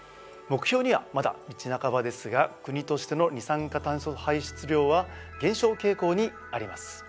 目標にはまだ道半ばですが国としての二酸化炭素排出量は減少傾向にあります。